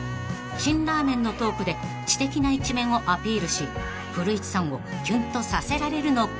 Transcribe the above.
［辛ラーメンのトークで知的な一面をアピールし古市さんをキュンとさせられるのか？］